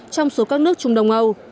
trong số các nước trung đông âu